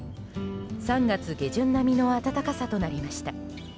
３月下旬並みの暖かさとなりました。